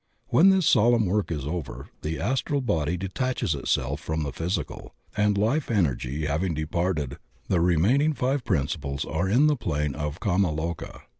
When this solemn work is over the as tral body detaches itself from the physical, and, life energy having departed, the remaining five principles are in the plane of kama loka.